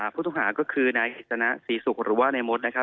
ผู้ต้องหาก็คือนายกิจสนะศรีศุกร์หรือว่านายมดนะครับ